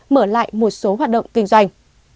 mở lại một số hoạt động kinh doanh